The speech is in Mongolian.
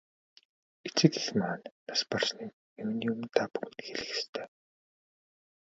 Эцэг эх маань нас барсныг юуны өмнө та бүхэнд хэлэх ёстой.